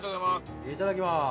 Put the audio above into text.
いただきまーす。